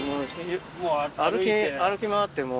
歩き回ってもう。